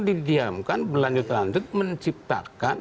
didiamkan berlanjut lanjut menciptakan